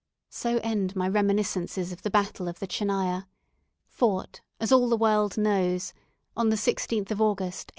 So end my reminiscences of the battle of the Tchernaya, fought, as all the world knows, on the 16th of August, 1855.